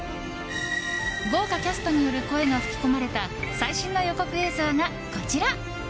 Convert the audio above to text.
豪華キャストによる声が吹き込まれた最新の予告映像が、こちら。